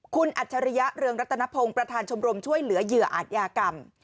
คุณอัจฉริยะเรืองรัตนพงศ์ประธานชมรมช่วยเหลือเหยื่ออาจยากรรม